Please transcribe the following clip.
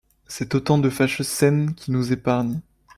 C’est autant de fâcheuses scènes qu’ils nous épargnent!